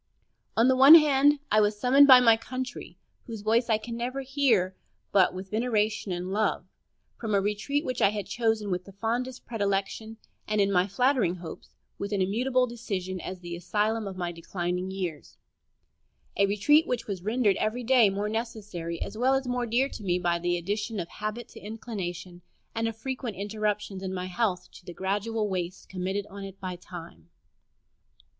On the one hand, I was summoned by my Country, whose voice I can never hear but with veneration and love, from a retreat which I had chosen with the fondest predilection, and, in my flattering hopes, with an immutable decision, as the asylum of my declining years a retreat which was rendered every day more necessary as well as more dear to me by the addition of habit to inclination, and of frequent interruptions in my health to the gradual waste committed on it by time.